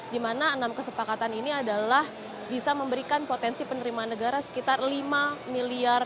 di mana enam kesepakatan ini adalah bisa memberikan potensi penerimaan negara sekitar rp lima miliar